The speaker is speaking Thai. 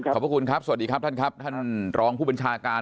ขอบคุณครับสวัสดีครับท่านครับท่านรองผู้บัญชาการ